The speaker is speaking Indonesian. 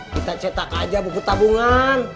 kita cetak aja bubut tabungan